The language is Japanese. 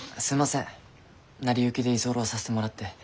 すいません成り行きで居候させてもらって。